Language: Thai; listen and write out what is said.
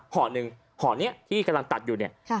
ห่อหนึ่งห่อนี้ที่กำลังตัดอยู่เนี่ย